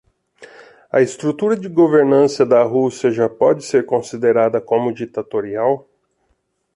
A estrutura de governança da Rússia já pode ser considerada como ditatorial?